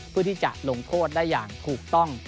เพื่อที่จะลงโทษได้อย่างถูกต้อง